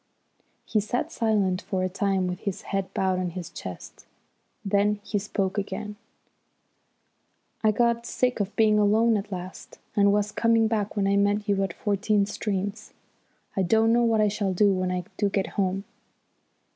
He sat silent for a time with his head bowed on his chest. Then he spoke again: "I got sick of being alone at last, and was coming back when I met you at Fourteen Streams. I don't know what I shall do when I do get home.